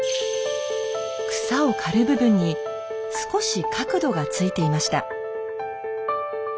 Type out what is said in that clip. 草を刈る部分に少し角度がついていました。